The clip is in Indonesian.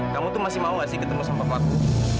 kamu tuh masih mau gak sih ketemu sama pelaku